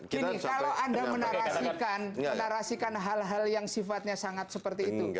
gini kalau anda menarasikan hal hal yang sifatnya sangat seperti itu